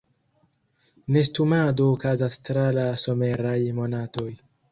Nestumado okazas tra la someraj monatoj.